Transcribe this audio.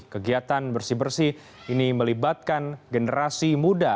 kegiatan bersih bersih ini melibatkan generasi muda